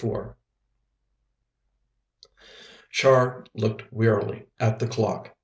IV Char looked wearily at the clock.